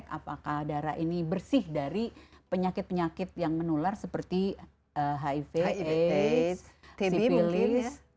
karena darah ini bersih dari penyakit penyakit yang menular seperti hiv aids sipilis